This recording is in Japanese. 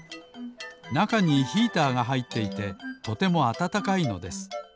なかにヒーターがはいっていてとてもあたたかいのです。